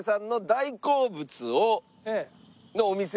大好物のお店？